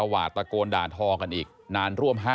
ไอ้แม่ได้เอาแม่ได้เอาแม่